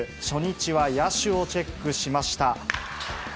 初日は野手をチェックしました。